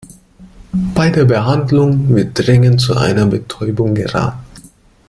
Bei der Behandlung wird dringend zu einer Betäubung geraten.